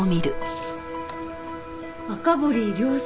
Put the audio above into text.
「赤堀亮介」